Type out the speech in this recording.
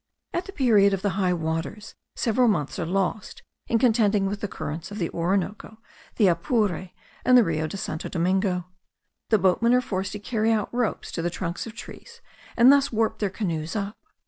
At the period of the high waters, several months are lost in contending with the currents of the Orinoco, the Apure, and the Rio de Santo Domingo. The boatmen are forced to carry out ropes to the trunks of trees and thus warp their canoes up.